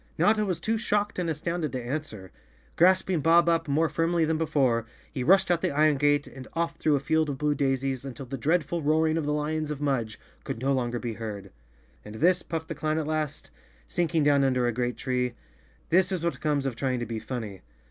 Notta was too shocked and astounded to answer. Grasping Bob Up more firmly than before, he rushed out the iron gate and off through a field of blue daisies, until the dreadful roaring of the lions of Mudge could no longer be heard. "And this," puffed the clown at last, sinking down under a great tree, "this is what comes of trying to be funny.